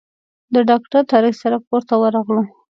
له ډاکټر طارق سره کور ته ورغلو.